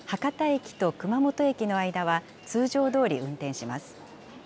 博多駅と熊本駅の間は通常どおり運転します。